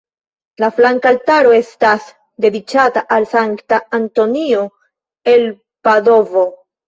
La flanka altaro estas dediĉata al Sankta Antonio el Padovo.